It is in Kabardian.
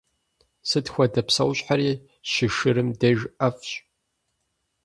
Сыт хуэдэ псэущхьэри щышырым деж ӏэфӏщ.